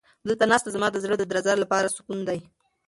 دلته ناسته زما د زړه د درزا لپاره سکون دی.